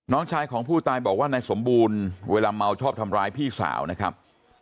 น้องชายของผู้ตายบอกว่านายสมบูรณ์เวลาเมาชอบทำร้ายพี่สาวนะครับ